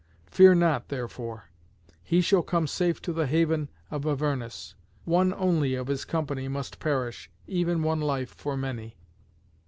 Fear not, therefore: he shall come safe to the haven of Avernus. One only of his company must perish, even one life for many."